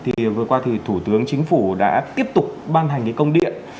thì vừa qua thì thủ tướng chính phủ đã tiếp tục ban hành cái công điện